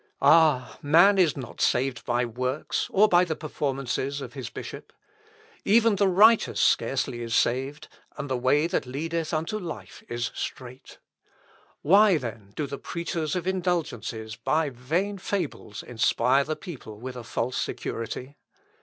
Ah! man is not saved by works, or by the performances of his bishop... Even the righteous scarcely is saved; and the way that leadeth unto life is strait. Why, then, do the preachers of indulgences by vain fables inspire the people with a false security?